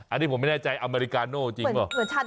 อันนี้ผมไม่แน่ใจอเมริกาโน่จริงเปล่า